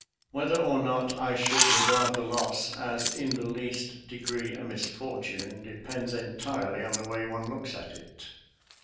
Whether or not I should regard the loss as in the least de gree a misfortune, depends entirely on the way one looks at it.